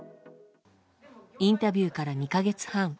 インタビューから２か月半。